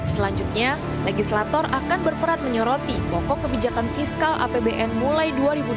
selanjutnya legislator akan berperan menyoroti pokok kebijakan fiskal apbn mulai dua ribu dua puluh dua dua ribu dua puluh empat